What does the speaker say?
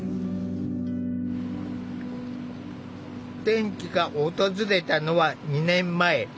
転機が訪れたのは２年前。